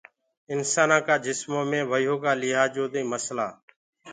انسانآ ڪآ جسمو مينٚ وهيو ڪآ لِهآجو دي مسلآ۔